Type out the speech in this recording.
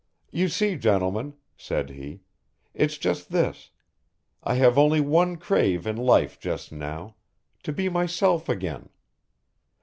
"You see, gentlemen," said he, "it's just this, I have only one crave in life just now, to be myself again.